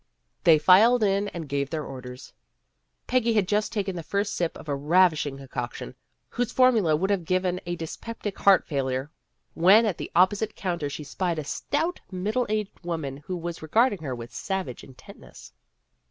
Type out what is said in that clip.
They filed in and gave their orders. Peggy had just taken the first sip of a ravishing con coction, whose formula would have given a dyspeptic heart failure, when at the opposite counter she spied a stout, middle aged woman who was regarding her with savage intentness.